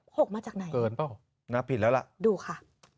หกมาจากไหนเกินเปล่าน่าผิดแล้วล่ะดูค่ะ